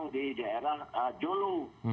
bukan di daerah landasan jolo